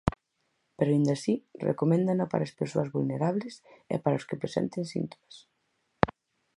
Pero aínda así recoméndana para as persoas vulnerables e para os que presenten síntomas.